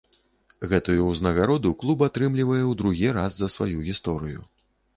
Гэтую ўзнагароду клуб атрымлівае ў другі раз за сваю гісторыю.